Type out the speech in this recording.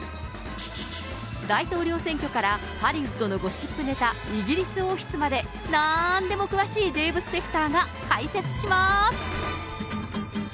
大統領選挙からハリウッドのゴシップネタ、イギリス王室まで、なーんでも詳しいデーブ・スペクターが解説します。